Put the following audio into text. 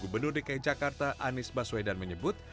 gubernur dki jakarta anies baswedan menyebut